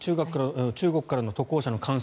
中国からの渡航者の感染